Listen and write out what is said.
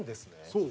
そう？